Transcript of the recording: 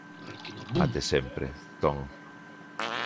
Até sempre, Tom.